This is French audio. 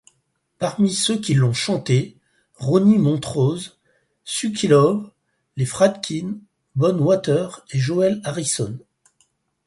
Parmi ceux qui l'ont chantée, Ronnie Montrose, Sukilove, Les Fradkin, Bonhwater et Joel Harrison.